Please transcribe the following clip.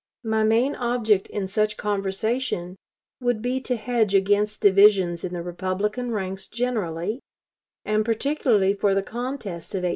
My main object in such conversation would be to hedge against divisions in the Republican ranks generally, and particularly for the contest of 1860.